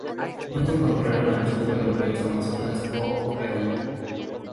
No es encontrado al sur de los ríos Amazonas o Ucayali.